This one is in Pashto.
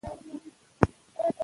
روزنه د ژوند مهارتونه زده کوي.